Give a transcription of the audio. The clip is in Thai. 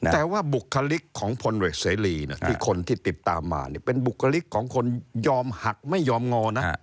แต่ว่าบุคลิกของพลเอกเสรีที่คนที่ติดตามมาเป็นบุคลิกของคนยอมหักไม่ยอมงอนะ